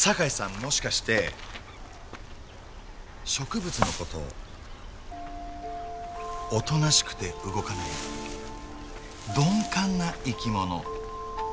もしかして植物のことおとなしくて動かない鈍感な生き物。